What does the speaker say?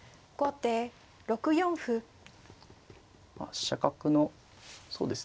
飛車角のそうですね